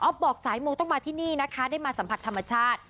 บอกสายมูต้องมาที่นี่นะคะได้มาสัมผัสธรรมชาติ